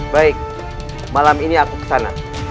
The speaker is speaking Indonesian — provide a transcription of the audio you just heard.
baik malam ini aku kesana